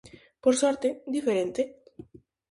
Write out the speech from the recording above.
Por sorte, diferente.